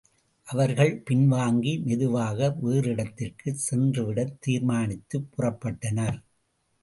அவர்கள் பின்வாங்கி மெதுவாக வேறிடத்திற்குச் சென்றுவிடத் தீர்மானித்துப் புறப்பட்டனர்.